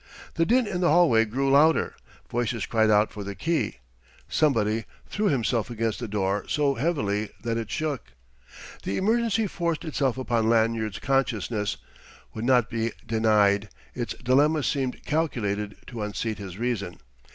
The din in the hallway grew louder. Voices cried out for the key. Somebody threw himself against the door so heavily that it shook. The emergency forced itself upon Lanyard's consciousness, would not be denied. Its dilemma seemed calculated to unseat his reason.